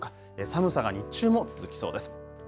寒さが日中も続きそうです。